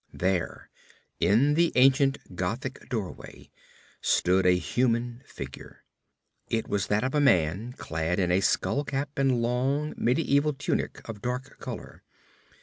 There in the ancient Gothic doorway stood a human figure. It was that of a man clad in a skull cap and long mediaeval tunic of dark colour.